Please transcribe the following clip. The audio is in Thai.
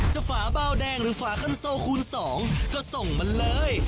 ฝาเบาแดงหรือฝาคันโซคูณ๒ก็ส่งมาเลย